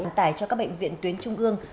giảm tài cho các bệnh viện tuyến trung ương